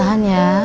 ibu tahan ya